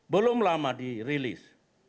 belum lama dirilis